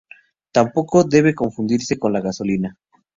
Tampoco debe confundirse con la gasolina.